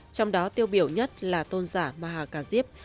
trong đó tiêu biểu nhất là tôn giả maha kha diếp